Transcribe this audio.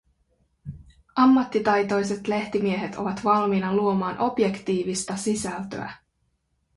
Ammattitaitoiset lehtimiehet ovat valmiina luomaan objektiivista sisältöä.